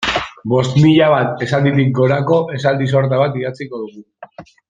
Bost mila bat esalditik gorako esaldi sorta bat idatziko dugu.